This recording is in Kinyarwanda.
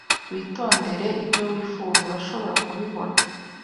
Witondere ibyo wifuza. Urashobora kubibona.